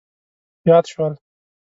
یاد شول.